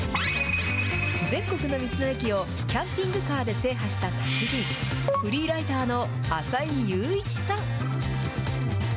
全国の道の駅をキャンピングカーで制覇した達人、フリーライターの浅井佑一さん。